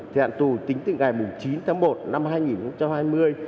thì hạn tù tính từ ngày chín tháng một năm hai nghìn hai mươi